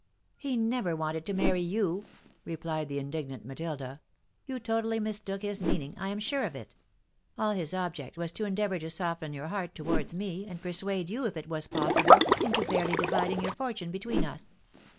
" He never wanted to marry you," replied the indignant Matilda. " You totally mistook his meaning — I am sure of it. All his object was to endeavour to soften your heart towards me, and persuade you, if it was possible, into fairly dividing your for tune between us.